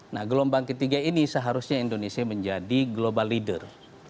nah gelombang ketiga ini seharusnya indonesia menjadi global leader